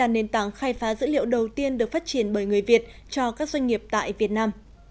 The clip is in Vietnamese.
nền tảng khai phá dữ liệu đầu tiên được phát triển bởi người việt cho các doanh nghiệp tại việt nam